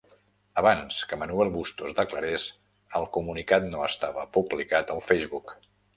Abans que Manuel Bustos declarés, el comunicat no estava publicat al Facebook.